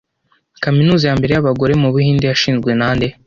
Kaminuza ya mbere y’abagore mu Buhinde yashinzwe na nde